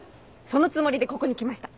そのつもりでここに来ました。